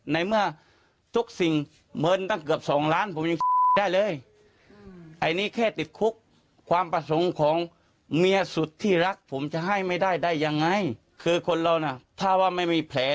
ในเมื่อทุกสิ่งเมินตั้งเกือบ๒ล้าน